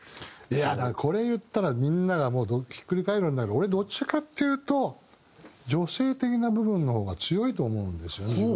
いやだからこれ言ったらみんながひっくり返るんだけど俺どっちかっていうと女性的な部分の方が強いと思うんですよね